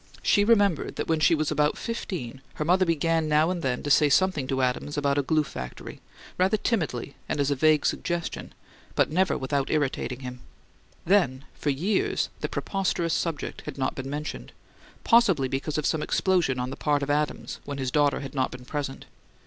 She remembered that when she was about fifteen her mother began now and then to say something to Adams about a "glue factory," rather timidly, and as a vague suggestion, but never without irritating him. Then, for years, the preposterous subject had not been mentioned; possibly because of some explosion on the part of Adams, when his daughter had not been present.